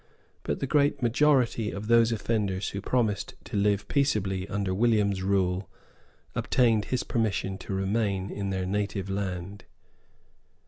But the great majority of those offenders who promised to live peaceably under William's rule obtained his permission to remain in their native land.